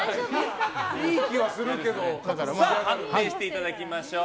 判定していただきましょう。